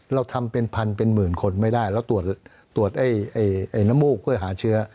เราทำเป็นพันเป็นหมื่นคนไม่ได้เราตรวจน้ำมูกเพื่อหาเชื้อ